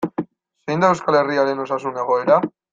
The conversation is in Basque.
Zein da Euskal Herriaren osasun egoera?